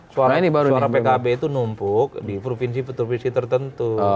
suara pkb itu numpuk di provinsi provinsi tertentu